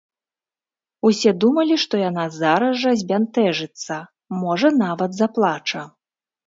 Усе думалі, што яна зараз жа збянтэжыцца, можа, нават заплача.